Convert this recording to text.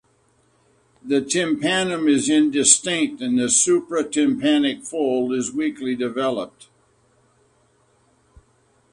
The tympanum is indistinct and the supratympanic fold is weakly developed.